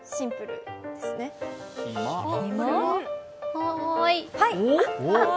はい！